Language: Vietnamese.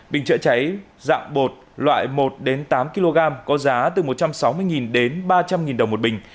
bình chữa cháy dạng bột loại một đến tám kg có giá từ một trăm sáu mươi đến ba trăm linh đồng một bình